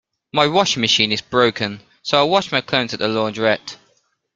My washing machine is broken, so I'll wash my clothes at the launderette